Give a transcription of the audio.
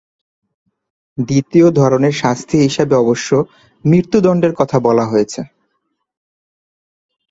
দ্বিতীয় ধরনের শাস্তি হিসেবে অবশ্য মৃত্যুদন্ডের কথা বলা হয়েছে।